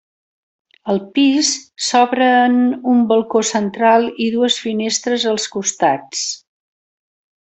Al pis s'obren un balcó central i dues finestres als costats.